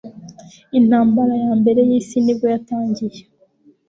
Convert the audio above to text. intambara yambere y’isi nibwo yatangiye